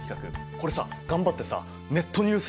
これさ頑張ってさネットニュース